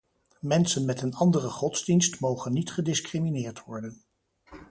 Mensen met een andere godsdienst mogen niet gediscrimineerd worden.